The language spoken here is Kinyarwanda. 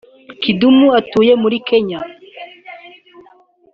Kidum utuye muri Kenya